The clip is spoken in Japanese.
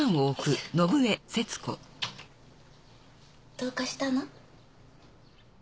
どうかしたの？